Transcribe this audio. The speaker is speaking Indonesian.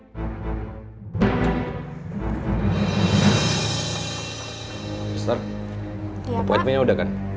mister uang poin punya udah kan